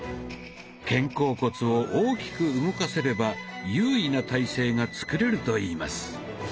肩甲骨を大きく動かせれば優位な体勢が作れるといいます。